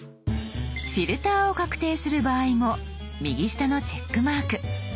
フィルターを確定する場合も右下の「チェックマーク」。